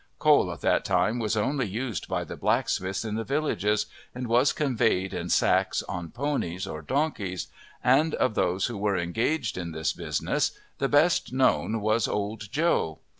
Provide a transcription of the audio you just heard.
Coal at that time was only used by the blacksmiths in the villages, and was conveyed in sacks on ponies or donkeys, and of those who were engaged in this business the best known was Old Joe.